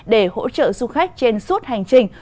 để hỗ trợ du khách trên suốt hành trình